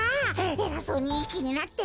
えらそうにいいきになって。